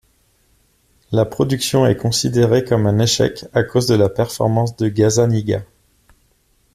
La production est considérée comme un échec à cause de la performance de Gazzaniga.